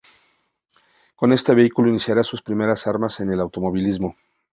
Con este vehículo iniciaría sus primeras armas en el automovilismo.